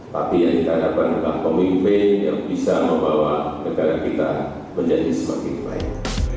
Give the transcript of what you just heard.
tapi yang kita harapkan adalah pemimpin yang bisa membawa negara kita menjadi semakin baik